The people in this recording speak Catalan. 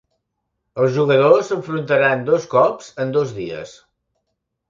Els jugadors s'enfrontaran dos cops en dos dies.